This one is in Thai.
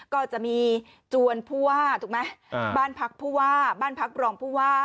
ก็จะมีจวนผู้ว่าถูกไหมบ้านพักผู้ว่าบ้านพักรองผู้ว่า